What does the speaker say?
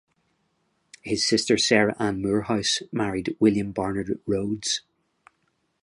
His sister Sarah Ann Moorhouse married William Barnard Rhodes.